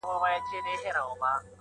اوس دي لا د حسن مرحله راغلې نه ده.